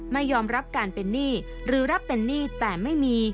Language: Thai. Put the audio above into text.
ไม่ยอมรับการเป็นหนี้หรือรับเป็นหนี้แต่ไม่มี